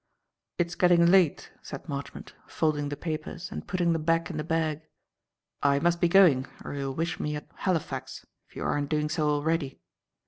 "It's getting late," said Marchmont, folding the papers and putting them back in the bag. "I must be going or you'll wish me at Halifax, if you aren't doing so already."